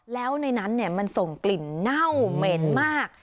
แล้วในนั้นมันส่งกลิ่นเน่าเหม็นมาก